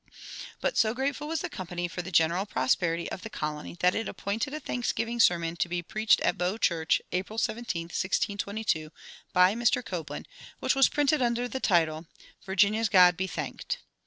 But so grateful was the Company for the general prosperity of the colony that it appointed a thanksgiving sermon to be preached at Bow Church, April 17, 1622, by Mr. Copland, which was printed under the title, "Virginia's God Be Thanked."